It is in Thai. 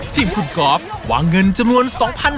ทีมคุณกอล์ฟวางเงินจำนวน๒๐๐บาท